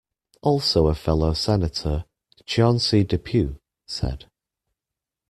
Also a fellow Senator, Chauncey Depew, said.